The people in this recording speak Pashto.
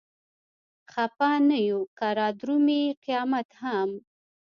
خپه نه يو که رادرومي قيامت هم